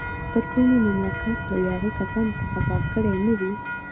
تر څو مې مملکت له یاغي کسانو څخه پاک کړی نه وي.